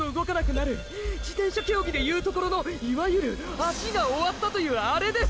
自転車競技でいうところのいわゆる「足が終わった」というあれです。